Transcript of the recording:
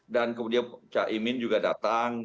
dan kemudian pak caimin juga datang